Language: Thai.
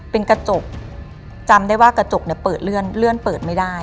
เป็นกระจกจำได้ว่ากระจกเนี่ยเปิดเลื่อนเปิดไม่ได้